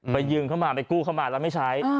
ยืมเข้ามาไปกู้เข้ามาแล้วไม่ใช้